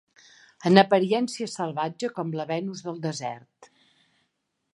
...en apariència salvatge com la Venus del desert